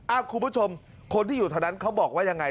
อ้าวคุณผู้ชมคนที่อยู่ทางนั้นเขาบอกว่าอย่างไร